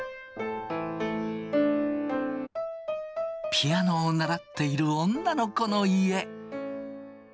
ピアノを習っている女の子の家。